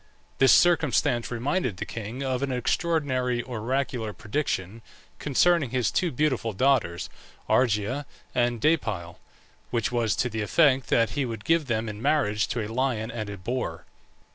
This circumstance reminded the king of an extraordinary oracular prediction concerning his two beautiful daughters, Argia and Deipyle, which was to the effect that he would give them in marriage to a lion and a boar.